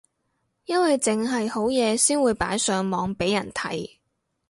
因為剩係好嘢先會擺上網俾人睇